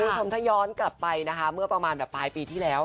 กลายอีกรายพี่ที่แล้ว